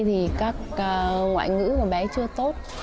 thì các ngoại ngữ của bé chưa tốt